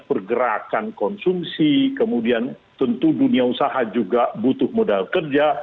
pergerakan konsumsi kemudian tentu dunia usaha juga butuh modal kerja